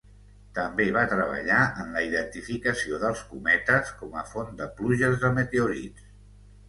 També va treballar en la identificació dels cometes com a font de pluges de meteorits.